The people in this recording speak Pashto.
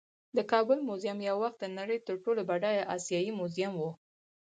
د کابل میوزیم یو وخت د نړۍ تر ټولو بډایه آسیايي میوزیم و